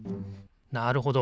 なるほど。